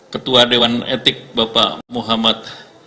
ketua dewan etik bapak muhammad